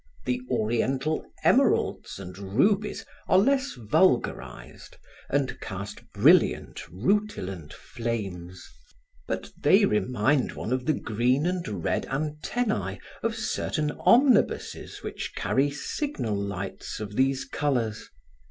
The oriental emeralds and rubies are less vulgarized and cast brilliant, rutilant flames, but they remind one of the green and red antennae of certain omnibuses which carry signal lights of these colors.